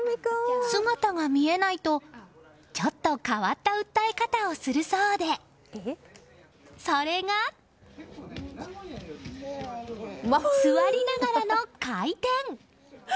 姿が見えないとちょっと変わった訴え方をするそうでそれが、座りながらの回転！